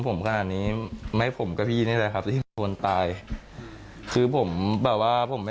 ผมขนาดนี้ไม่ผมกับพี่นี่แหละครับที่เป็นคนตายคือผมแบบว่าผมไม่